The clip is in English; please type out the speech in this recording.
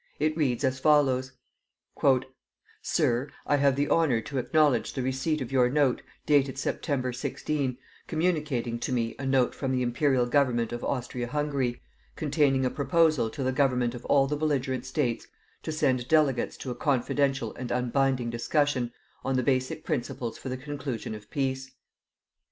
It reads as follows: "Sir, I have the honor to acknowledge the receipt of your note, dated September 16, communicating to me a note from the Imperial Government of Austria Hungary, containing a proposal to the Government of all the belligerent States to send delegates to a confidential and unbinding discussion on the basic principles for the conclusion of peace.